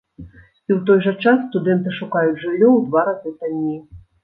І ў той жа час студэнты шукаюць жыллё ў два разы танней.